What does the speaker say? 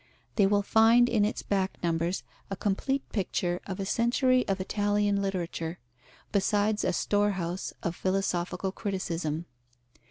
They will find in its back numbers a complete picture of a century of Italian literature, besides a store house of philosophical criticism.